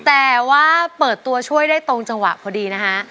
แต่ว่าเปิดตัวช่วยได้ตรงจังหวะพอดีนะฮะ